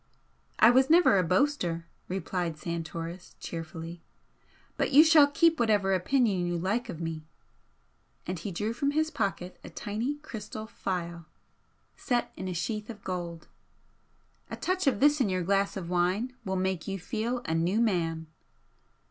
"I was never a boaster," replied Santoris, cheerfully "But you shall keep whatever opinion you like of me." And he drew from his pocket a tiny crystal phial set in a sheath of gold. "A touch of this in your glass of wine will make you feel a new man."